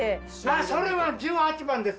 それは十八番です。